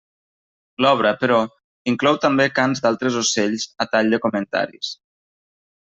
L'obra, però, inclou també cants d'altres ocells a tall de comentaris.